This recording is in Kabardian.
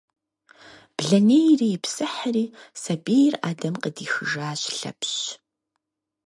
Блэнейрэ ипсыхьри, сабийр ӏэдэм къыдихыжащ Лъэпщ.